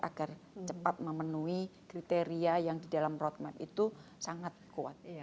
agar cepat memenuhi kriteria yang di dalam roadmap itu sangat kuat